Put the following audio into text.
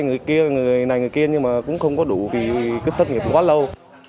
người này người kia nhưng mà cũng không có đủ vì cứ thất nghiệp quá lâu